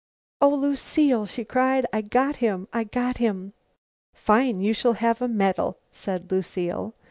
"Oh, Lucile," she cried, "I got him! I got him!" "Fine! You shall have a medal," said Lucile.